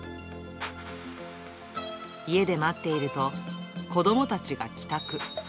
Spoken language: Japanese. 家で待っていると、子どもたちが帰宅。